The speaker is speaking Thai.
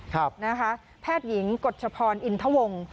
ครับนะคะแพทย์หญิงกฎชพรอินทะวง